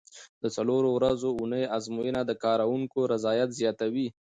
د څلورو ورځو اونۍ ازموینه د کارکوونکو رضایت زیاتوي.